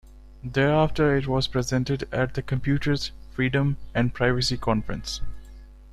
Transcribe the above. Thereafter it was presented at the Computers, Freedom, and Privacy conference.